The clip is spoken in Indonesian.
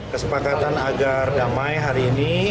kesepakatan agar damai hari ini